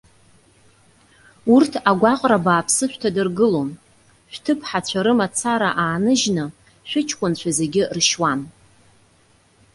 Урҭ агәаҟра бааԥсы шәҭадыргылон. Шәҭыԥҳацәа рымацара ааныжьны, шәыҷкәынцәа зегьы ршьуан.